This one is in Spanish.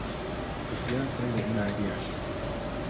oficial, tengo una idea.